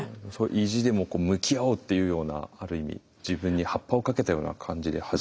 そう意地でも向き合おうっていうようなある意味自分にハッパをかけたような感じで。